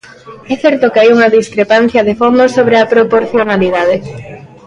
É certo que hai unha discrepancia de fondo sobre a proporcionalidade.